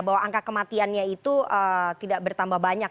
bahwa angka kematiannya itu tidak bertambah banyak